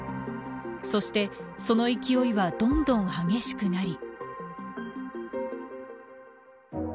そしてその勢いはどんどん激しくなり。